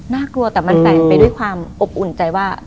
น่ากลัวแต่มันแตกไปด้วยความอบอุ่นใจว่า